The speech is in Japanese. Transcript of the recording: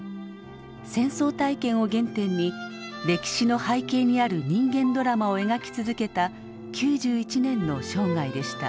戦争体験を原点に歴史の背景にある人間ドラマを描き続けた９１年の生涯でした。